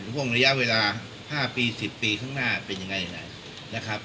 ห่วงระยะเวลา๕ปี๑๐ปีข้างหน้าเป็นยังไงไหนนะครับ